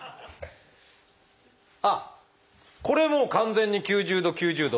あっこれもう完全に９０度９０度。